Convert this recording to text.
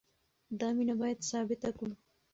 دا مینه باید ثابته کړو.